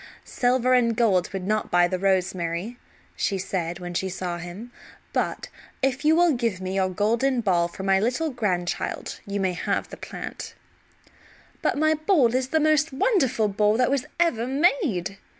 "Silver and gold would not buy the rosemary," she said when she saw him; "but if you will give me your golden ball for my little grandchild you may have the plant." "But my ball is the most wonderful ball that was ever made!"